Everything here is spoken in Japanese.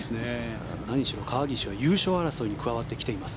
何しろ川岸は優勝争いに加わってきています。